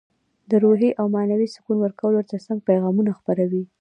د روحي او معنوي سکون ورکولو ترڅنګ پیغامونه خپروي.